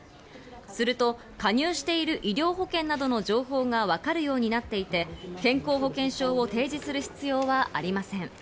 すると加入している医療保険などの情報がわかるようになっていて、健康保険証を提示する必要はありません。